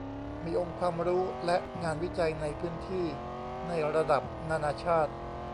มีองค์ความรู้และงานวิจัยในพื้นที่ในระดับนานาชาติ